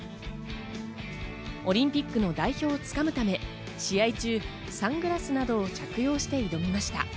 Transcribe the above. オリンピックの代表をつかむため試合中サングラスなどを着用して挑みました。